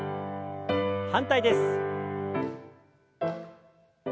反対です。